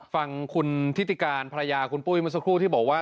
ฟังคุณทิติการภรรยาคุณปุ้ยเมื่อสักครู่ที่บอกว่า